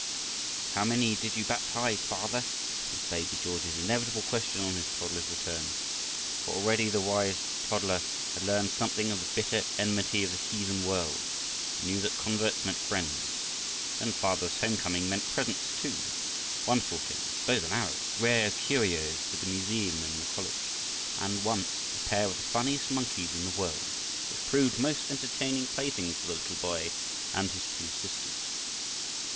"How many did you baptize, father?" was baby George's inevitable question on his father's return. For already the wise toddler had learned something of the bitter enmity of the heathen world, and knew that converts meant friends. Then father's home coming meant presents too, wonderful things, bows and arrows, rare curios for the museum in the college, and, once, a pair of the funniest monkeys in the world, which proved most entertaining playthings for the little boy and his two sisters.